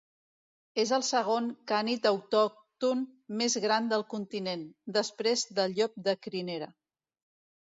És el segon cànid autòcton més gran del continent, després del llop de crinera.